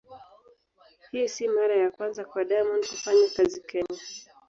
Hii sio mara ya kwanza kwa Diamond kufanya kazi Kenya.